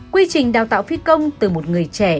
quy trình đào tạo phi công từ một người trẻ